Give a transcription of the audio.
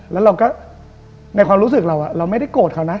แล้วเราก็ในความรู้สึกเราเราไม่ได้โกรธเขานะ